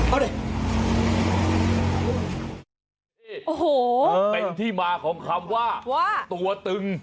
โอ้โหเป็นที่มาของคำว่าตัวตึง